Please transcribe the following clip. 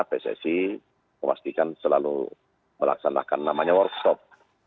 pssi memastikan selalu melaksanakan namanya workshop